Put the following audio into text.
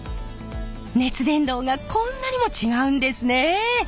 熱伝導がこんなにも違うんですね。